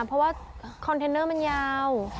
เพราะว่าคอนเทนเนอร์มันยาว